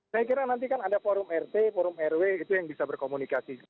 saya kira nanti kan ada forum rt forum rw itu yang bisa berkomunikasi